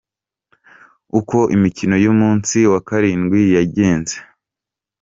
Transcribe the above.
Uko imikino y’umunsi wa karindwi yagenze .